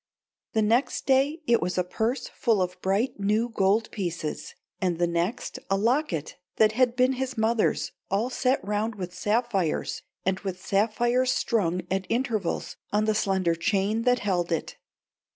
The next day it was a purse full of bright new gold pieces, and the next a locket that had been his mother's, all set round with sapphires, and with sapphires strung at intervals on the slender chain that held it.